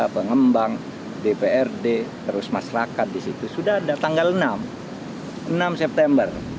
pengembang dprd terus masyarakat di situ sudah ada tanggal enam enam september